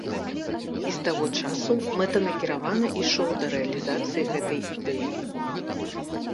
І з таго часу мэтанакіравана ішоў да рэалізацыі гэтай ідэі.